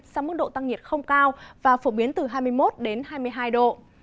sáng mức độ tăng nhiệt không cao và phổ biến từ hai mươi một hai mươi hai độ